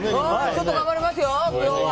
ちょっと頑張りますよ、今日は。